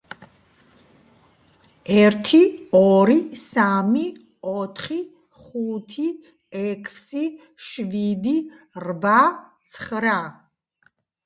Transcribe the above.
ერთი, ორი, სამი, ოთხი, ხუთი, ექვსი, შვიდი, რვა, ცხრა.